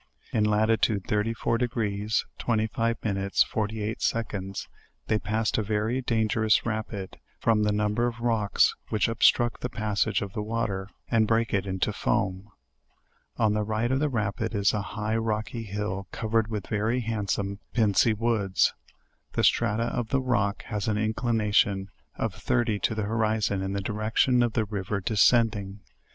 In latitude 34, 25, 48, they possed a very dangerous rapid, from the number of rocks which obstruct the passage of the water, and break it into foam. On the right of the rapid is a high rocky hill covered with very handsome pincy woods. The strata of the rock has an inclination of 30 to the horizon in the direction of the river desc ending.